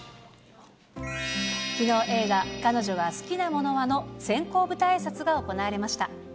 きのう、映画、彼女が好きなものはの先行舞台あいさつが行われました。